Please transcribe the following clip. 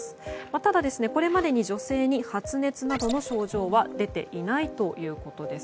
ただこれまでに、女性に発熱などの症状は出ていないということです。